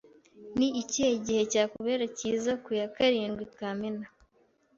Ni ikihe gihe cyakubera cyiza ku ya karindwi Kamena?